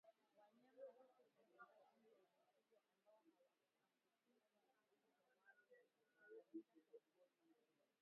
Wanyama wote katika kundi la mifugo ambao hawakuambukizwa hapo awali wanaweza kuambukizwa